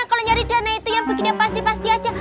kalau nyari dana itu yang begini pasti pasti aja